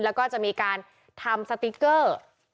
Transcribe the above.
แล้วก็จะมีการทำสติ๊กเกอร์